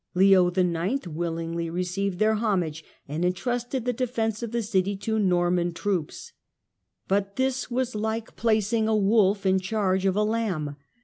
Leo IX. willingly received their homage, and entrusted the defence of the city to Norman troops. But this was like placing a wolf in charge of a lamb.